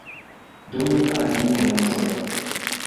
Donu al mi momenton!